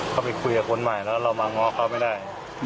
เขาไปคุยกับคนใหม่แล้วเรามาง้อเขาไม่ได้